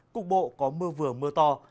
cục bộ có mưa vừa mưa to